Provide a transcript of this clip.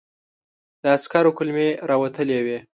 د عسکر کولمې را وتلې وې.